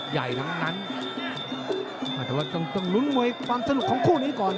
ใหญ่ทั้งนั้นแต่ว่าต้องต้องลุ้นมวยความสนุกของคู่นี้ก่อน